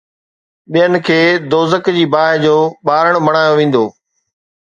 ٻين کي دوزخ جي باهه جو ٻارڻ بڻايو ويندو